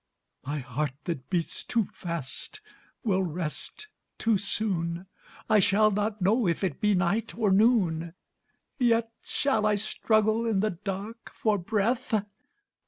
My heart that beats too fast will rest too soon; I shall not know if it be night or noon, Yet shall I struggle in the dark for breath?